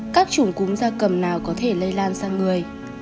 các chủng cúm da cầm nào có thể lây lan sang người